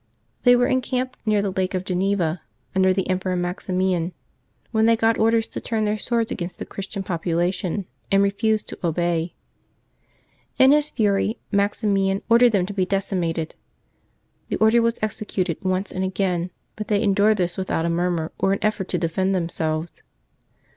They were encamped near the Lake of Geneva, un der the Emperor Maximian, when they got orders to turn their swords against the Christian population, and refused to obey. In his fury Maximian ordered them to be deci mated. The order was executed once and again, but they endured this without a murmur or an effort to defend themselves.